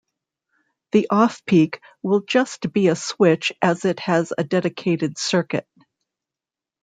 The off-peak will just be a switch as it has a dedicated circuit.